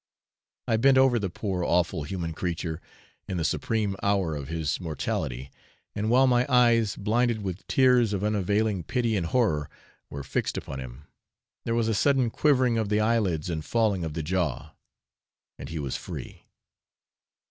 I bent over the poor awful human creature in the supreme hour of his mortality; and while my eyes, blinded with tears of unavailing pity and horror, were fixed upon him, there was a sudden quivering of the eyelids and falling of the jaw, and he was free.